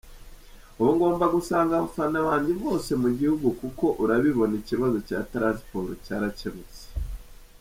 Ubu ngomba gusanga abafana banjye bose mu gihugu kuko urabibona ikibazo cya Transport cyarakemutse.